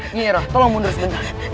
nyerah tolong mundur sebentar